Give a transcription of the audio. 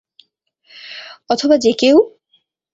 অথবা যে কেউ?